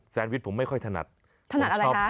แซนวิชผมไม่ค่อยถนัดถนัดอะไรคะชอบเบอร์เกอร์